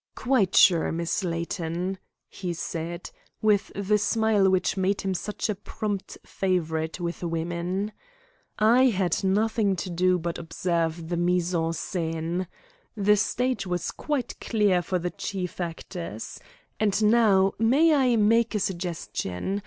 "Quite sure, Miss Layton," he said, with the smile which made him such a prompt favourite with women. "I had nothing to do but observe the mise en scène. The stage was quite clear for the chief actors. And now, may I make a suggestion?